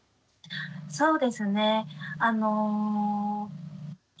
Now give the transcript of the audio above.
そうですね